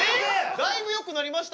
だいぶよくなりましたよ？